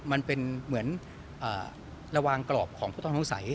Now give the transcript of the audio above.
ดิบเองมันเป็นเหมือนระวังกรอบของพุทธทองไฮเนี่ย